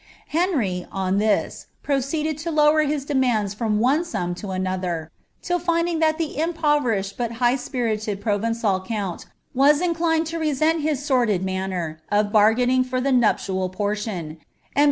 Heury, on this, proceeded to lower hit demands from one eum to another, till finding that thv ima^ veriohed but high epiriied Provencal count vras inclined t Rordid manner of bargaining for the nnplial pc»lion,* and b BI.